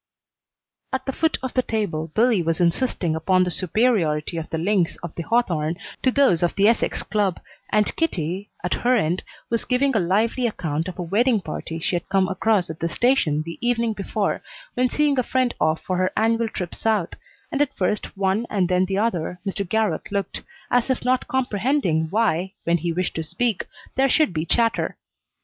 At the foot of the table Billy was insisting upon the superiority of the links of the Hawthorne to those of the Essex club, and Kitty, at her end, was giving a lively account of a wedding party she had come across at the station the evening before when seeing a friend off for her annual trip South, and at first one and then the other Mr. Garrott looked, as if not comprehending why, when he wished to speak, there should be chatter.